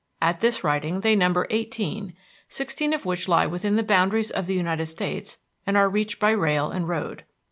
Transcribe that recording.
At this writing they number eighteen, sixteen of which lie within the boundaries of the United States and are reached by rail and road.